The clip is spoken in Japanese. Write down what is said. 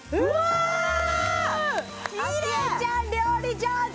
あきえちゃん料理上手！